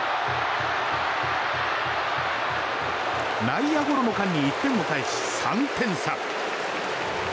内野ゴロの間に１点を返し３点差。